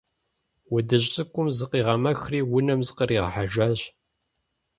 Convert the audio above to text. Удыжь цӀыкӀум зыкъигъэмэхри унэм зыкъригъэхьыжащ.